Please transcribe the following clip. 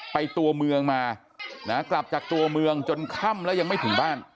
ตัวเมืองมานะกลับจากตัวเมืองจนค่ำแล้วยังไม่ถึงบ้าน